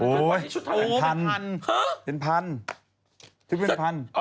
โอ๊ยเป็นพันธุ์เป็นพันธุ์